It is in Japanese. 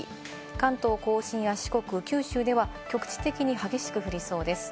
関東甲信や四国、九州では局地的に激しく降りそうです。